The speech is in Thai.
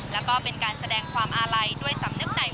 แล้วก็เป็นการแสดงความอาลัยด้วยสำนึกใน